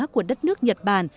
của đất nước nhật bản